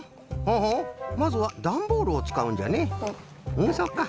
うんそっか。